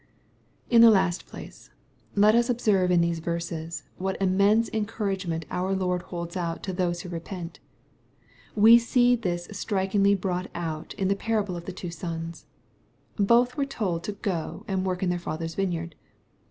In the last place, let us observe in these verses, tohai immense encouragement our Lord holds out to those who repent We see this strikingly brought out in the para ble of the two sons. Both were told to go and work in their father's vineyard.